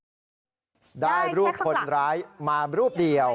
หลังค่ะพี่ได้รูปคนร้ายมารูปเดียว